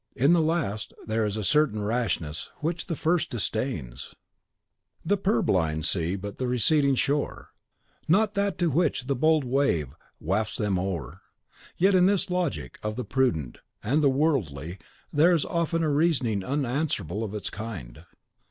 In the last there is a certain rashness which the first disdains, "The purblind see but the receding shore, Not that to which the bold wave wafts them o'er." Yet in this logic of the prudent and the worldly there is often a reasoning unanswerable of its kind.